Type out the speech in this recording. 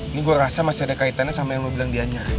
ini gue rasa masih ada kaitannya sama yang lo bilang dianya